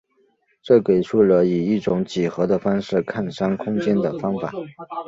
这给出了以一种几何的方式看商空间的方法。